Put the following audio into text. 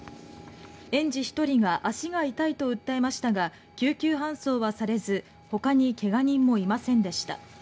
園児１人が足が痛いと訴えましたが救急搬送はされずほかに怪我人もいませんでした。